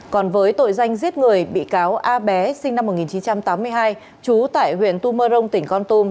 còn với tội danh giết người bị cáo a bé sinh năm một nghìn chín trăm tám mươi hai chú tại huyện tumorong tỉnh con tum